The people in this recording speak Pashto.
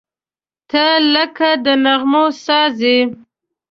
• ته لکه د نغمو ساز یې.